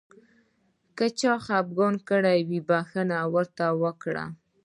که چا خفه کړئ بښنه ورته وکړئ .